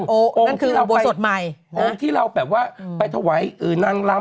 นั่นคือบวชสดใหม่องค์ที่เราแบบว่าอืมไปถวายเออนางลำ